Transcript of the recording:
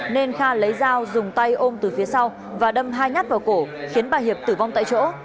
nên kha lấy dao dùng tay ôm từ phía sau và đâm hai nhát vào cổ khiến bà hiệp tử vong tại chỗ